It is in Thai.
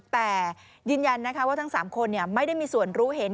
แต่ยืนยันนะคะว่าทั้ง๓คนไม่ได้มีส่วนรู้เห็น